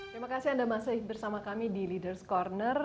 terima kasih anda masih bersama kami di leaders corner